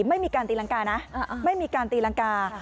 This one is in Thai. ไม่มีการตีรังกานะไม่มีการตีรังกา